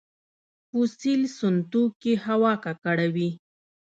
فوسیل سون توکي هوا ککړوي